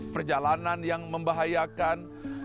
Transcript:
perjalanan yang membahayakan